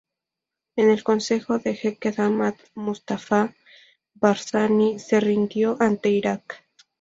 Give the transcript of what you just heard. En el consejo del jeque Ahmad, Mustafa Barzani se rindió ante Irak.